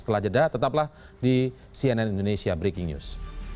setelah jeda tetaplah di cnn indonesia breaking news